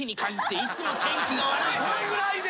それぐらいで？